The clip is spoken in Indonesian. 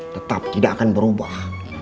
tetap tidak akan berubah